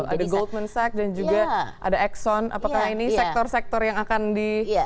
ada goldman seks dan juga ada exxon apakah ini sektor sektor yang akan di